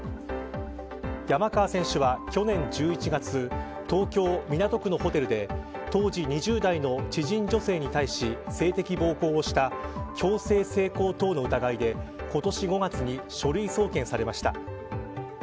山川選手は、去年１１月東京・港区のホテルで当時２０代の知人女性に対し性的暴行をした強制性交等の疑いで今年５月に書類送検されました。